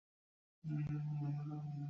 উপদেশ দিলাম, নিলে নেও, না নিলে নাই।